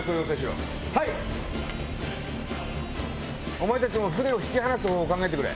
お前たちも船を引き離す方法を考えてくれ。